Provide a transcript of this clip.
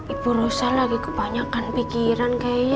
ibu rosa lagi kebanyakan pikiran kayaknya